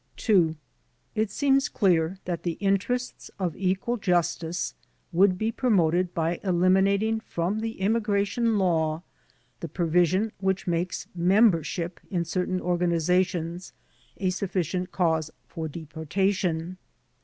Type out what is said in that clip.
2. It seems clear that the interests of equal justice wotdd be promoted by eliminating from the Immigration Law the provision which makes membership in certain organizations a sufficient cause for deportation.